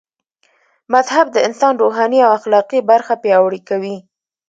مذهب د انسان روحاني او اخلاقي برخه پياوړي کوي